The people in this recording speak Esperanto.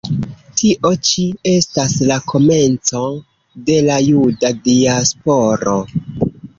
Tio ĉi estas la komenco de la Juda diasporo.